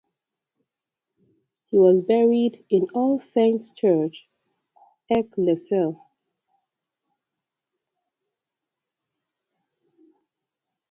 He was buried in All Saints Church, Ecclesall.